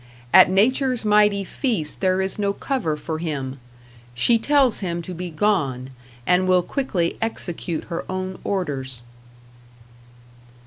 At Nature's mighty feast there is no cover for him. She tells him to be gone, and will quickly execute her own orders.